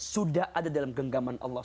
sudah ada dalam genggaman allah